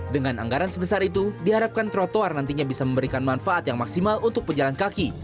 dengan anggaran sebesar itu diharapkan trotoar nantinya bisa memberikan manfaat yang maksimal untuk pejalan kaki